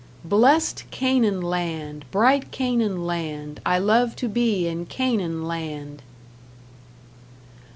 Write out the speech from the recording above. Blest Canaan land, bright Canaan land, I love to be in Canaan land!